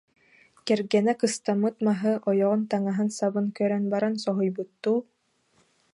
Кэргэнэ кыстаммыт маһы, ойоҕун таҥаһын-сабын көрөн баран соһуйбуттуу: